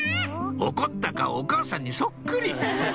怒った顔お母さんにそっくり！